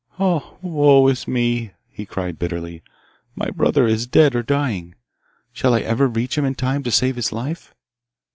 'Ah, woe is me!' he cried bitterly. 'My brother is dead or dying! Shall I ever reach him in time to save his life?